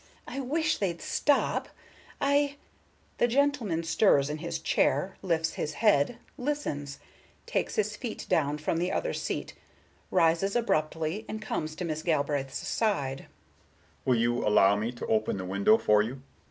I wish they'd stop,—I"—The gentleman stirs in his chair, lifts his head, listens, takes his feet down from the other seat, rises abruptly, and comes to Miss Galbraith's side. Mr. Allen Richards: "Will you allow me to open the window for you?"